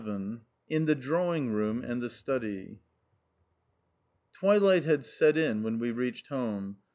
XI IN THE DRAWING ROOM AND THE STUDY Twilight had set in when we reached home.